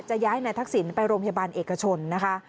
จะย้ายในทักศิลป์ไปโรงพยาบาลเอกชนนะคะ